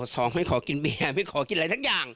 สองไม่ขอกินเบียร์ไม่ขอกินอะไรสักอย่าง